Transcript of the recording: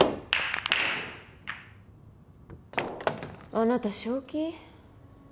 あなた正気？